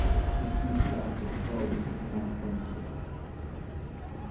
The chief justice rose to pronounce sentence.